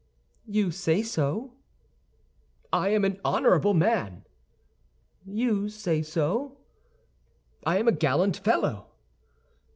"You say so." "I am an honorable man." "You say so." "I am a gallant fellow."